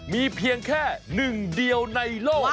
มีเพียงแค่หนึ่งเดียวในโลก